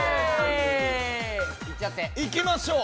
行きましょう！